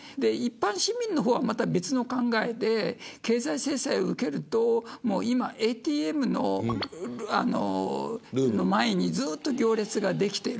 一般市民の方はまた別の考えで経済制裁を受けると、今ＡＴＭの前にずっと行列ができている。